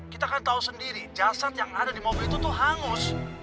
kita kan tahu sendiri jasad yang ada di mobil itu tuh hangus